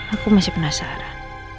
aku masih penasaran